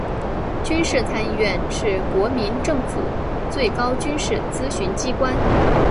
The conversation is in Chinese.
军事参议院是国民政府最高军事咨询机关。